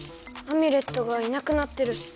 アミュレットがいなくなってる。